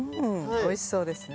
おいしそうですね。